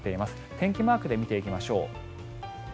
天気マークで見ていきましょう。